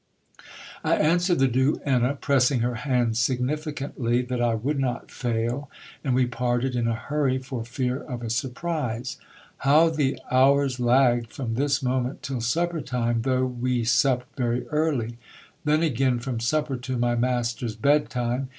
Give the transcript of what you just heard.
I answered the duenna, pressing her hand significantly, that I would not fail, and we parted in a hurry for fear of a sur prise. How the hours lagged from this moment till supper time, though we sapped very early ! Then again, from supper to my master's bed time